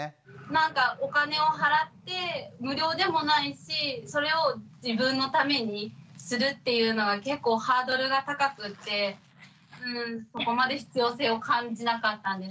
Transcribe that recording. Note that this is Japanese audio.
なんかお金を払って無料でもないしそれを自分のためにするっていうのは結構ハードルが高くってそこまで必要性を感じなかったんですよね。